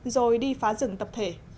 rồi đi phá rừng tập thể